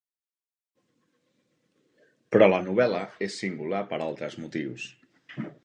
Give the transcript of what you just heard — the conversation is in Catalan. Però la novel·la és singular per altres motius.